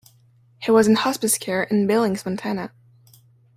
He was in hospice care in Billings, Montana.